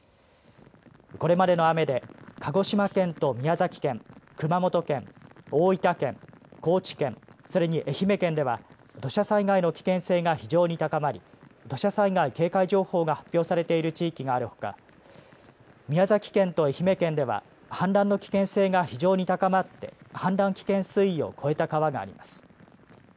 これまでの雨で鹿児島県と宮崎県、熊本県、大分県、高知県それに愛媛県では土砂災害の危険性が非常に高まり土砂災害警戒情報が発表されている地域があるほか宮崎県と愛媛県では氾濫の危険性が非常に高まって氾濫危険水位を超えた川があります。